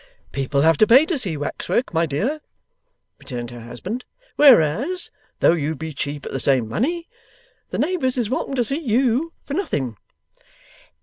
'People have to pay to see Wax Work, my dear,' returned her husband, 'whereas (though you'd be cheap at the same money) the neighbours is welcome to see YOU for nothing.